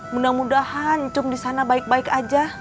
mudah mudahan encung disana baik baik aja